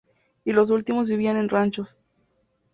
Y los últimos vivían en ranchos.